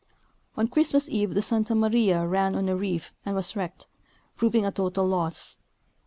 On Christmas eve the Santa Maria ran on a reef and was wrecked, proving a total loss.